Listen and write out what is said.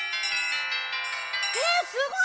えすごい！